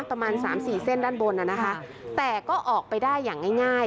ประมาณสามสี่เส้นด้านบนน่ะนะคะแต่ก็ออกไปได้อย่างง่ายง่าย